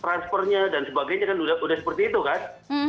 transfernya dan sebagainya kan sudah seperti itu kan